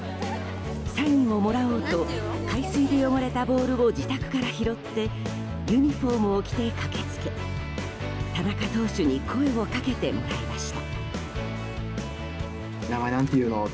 サインをもらおうと海水で汚れたボールを自宅から拾ってユニホームを着て駆け付け田中投手に声をかけてもらいました。